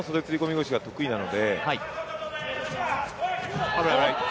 腰が得意なので。